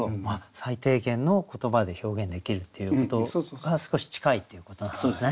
最低限の言葉で表現できるっていうことが少し近いっていうことなんですね。